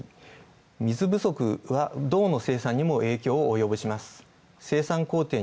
水不足は銅の生産にも影響を及ぼします。